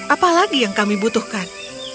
apa lagi yang kami butuhkan